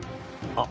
あっ。